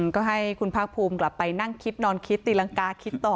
ก็ให้คุณภาคภูมิกลับไปนั่งคิดนอนคิดตีรังกาคิดต่อ